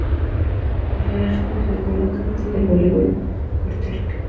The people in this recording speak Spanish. Corozal es reconocido como la capital del voleibol puertorriqueño.